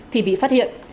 thì bị phát hiện